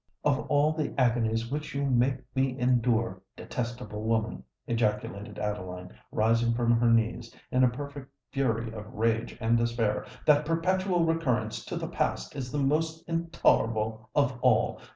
"Of all the agonies which you make me endure, detestable woman," ejaculated Adeline, rising from her knees in a perfect fury of rage and despair, "that perpetual recurrence to the past is the most intolerable of all!